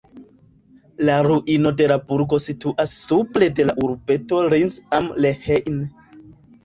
La ruino de la burgo situas supre de la urbeto Linz am Rhein.